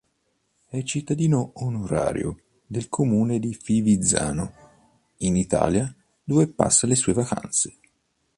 È cittadino onorario del comune di Fivizzano, in Italia, dove passa le sue vacanze.